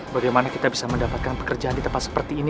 bagaimana kita bisa mendapatkan pekerjaan di tempat seperti ini